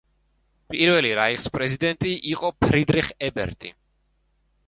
პირველი რაიხსპრეზიდენტი იყო ფრიდრიხ ებერტი.